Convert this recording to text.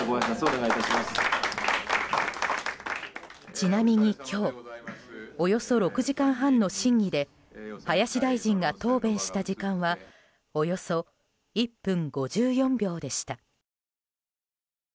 ちなみに今日およそ６時間半の審議で林大臣が答弁した時間はおよそ１分５４秒でした。